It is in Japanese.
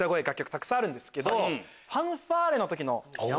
たくさんあるんですけど。